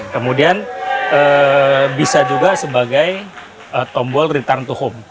kemudian bisa juga sebagai tombol return to home